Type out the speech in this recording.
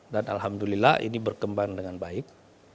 dan alhamdulillah ini berkembang dengan baik